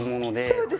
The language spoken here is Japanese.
そうです。